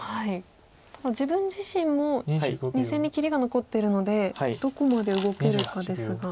ただ自分自身も２線に切りが残ってるのでどこまで動けるかですが。